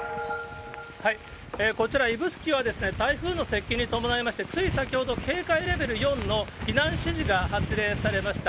こちら指宿は、台風の接近に伴いまして、つい先ほど、警戒レベル４の避難指示が発令されました。